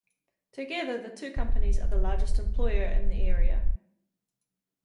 Together the two companies are the largest employer in the area.